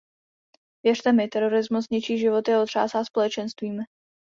Věřte mi, terorismus ničí životy a otřásá společenstvími.